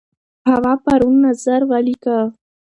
هوا پرون نظر ولیکه.